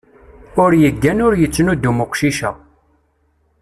Ur yeggan ur yettnudum uqcic-a.